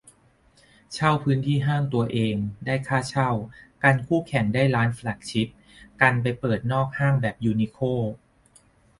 เช่าพื้นที่ห้างตัวเอง ได้ค่าเช่า กันคู่แข่งได้ร้านแฟลกชิป กันไปเปิดนอกห้างแบบยูนิโคล